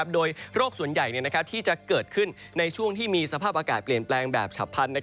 โดยโรคส่วนใหญ่ที่จะเกิดขึ้นในช่วงที่มีสภาพอากาศเปลี่ยนแปลงแบบฉับพันธุ